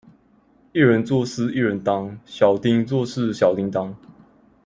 一人做事一人當，小叮做事小叮噹